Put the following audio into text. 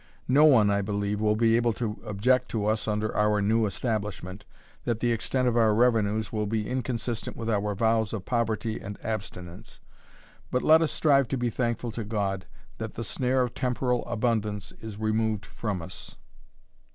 No one, I believe, will be able to object to us under our new establishment, that the extent of our revenues will be inconsistent with our vows of poverty and abstinence; but, let us strive to be thankful to God, that the snare of temporal abundance is removed from us."